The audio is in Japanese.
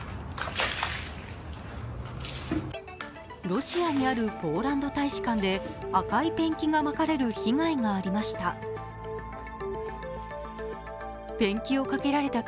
ロシアにあるポーランド大使館で赤いペンキがまかれる被害がありました。